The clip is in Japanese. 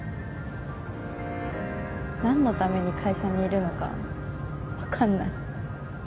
何のために会社にいるのか分かんない